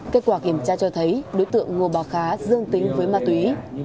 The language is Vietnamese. kết quả kiểm tra cho thấy đối tượng ngô bà khá dương tính với ma túy